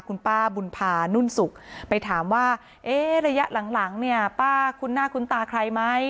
คุณป้าบุญพานุ่นสุกไปถามว่าเอ๊ะระยะหลังหลังเนี่ยป้าคุ้นหน้าคุ้นตาใครไหม